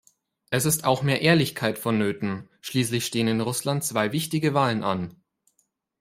Es ist auch mehr Ehrlichkeit vonnöten, schließlich stehen in Russland zwei wichtige Wahlen an.